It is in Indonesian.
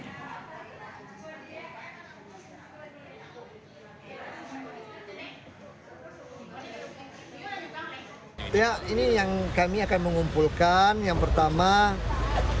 pemimpin pemerintah kedokteran pak tengah mengucapkan perhatian terhadap korban yang di relokasi